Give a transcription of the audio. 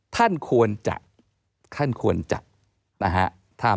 ท่านควรจะท่านควรจัดนะฮะ